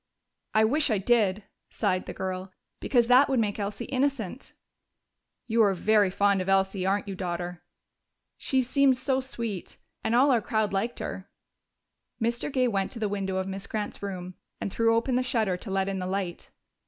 "I wish I did," sighed the girl. "Because that would make Elsie innocent." "You are very fond of Elsie, aren't you, Daughter?" "She seemed so sweet. And all our crowd liked her." Mr. Gay went to the window of Miss Grant's room and threw open the shutter to let in the light.